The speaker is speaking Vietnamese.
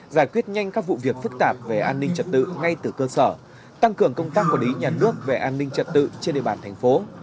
giải quyết nhanh các vụ việc phức tạp về an ninh trật tự ngay từ cơ sở tăng cường công tác quản lý nhà nước về an ninh trật tự trên địa bàn thành phố